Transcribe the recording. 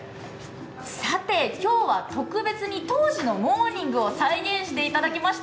さて、今日は特別に当時のモーニングを再現していただきました。